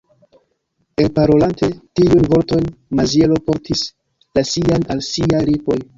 Elparolante tiujn vortojn, Maziero portis la sian al siaj lipoj.